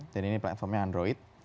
dan ini platformnya android